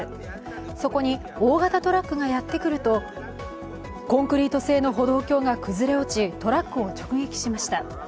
そこに大型トラックがやってくるとコンクリート製の歩道橋が崩れ落ち、トラックを直撃しました。